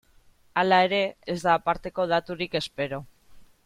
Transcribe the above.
Hala ere, ez da aparteko daturik espero.